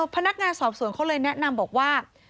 พนักงานสอบสวนเขาเลยแนะนำบอกว่า